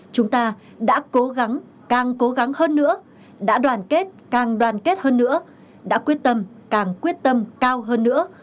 chúng ta đã cố gắng càng cố gắng hơn nữa đã đoàn kết càng đoàn kết hơn nữa đã quyết tâm càng quyết tâm cao hơn nữa